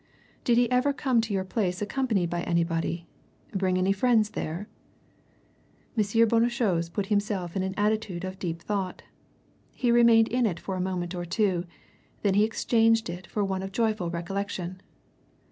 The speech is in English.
"Did he ever come to your place accompanied by anybody? Bring any friends there?" M. Bonnechose put himself into an attitude of deep thought. He remained in it for a moment or two; then he exchanged it for one of joyful recollection.